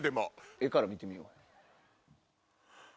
絵から見てみよう。